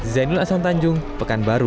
zainul hasan tanjung pekanbaru